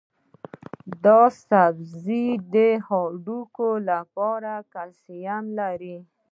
دا سبزی د هډوکو لپاره کلسیم لري.